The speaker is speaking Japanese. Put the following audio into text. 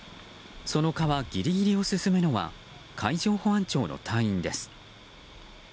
その川ギリギリを進むのは海上保安庁の隊員です。